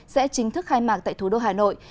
sẽ chính thức khai mạc tại thủ đô hà nội